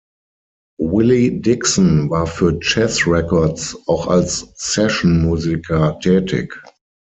Willie Dixon war für Chess Records auch als Sessionmusiker tätig.